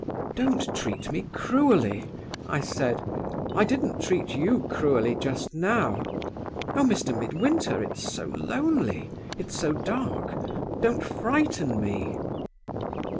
"'Don't treat me cruelly,' I said; 'I didn't treat you cruelly just now. Oh, Mr. Midwinter, it's so lonely, it's so dark don't frighten me!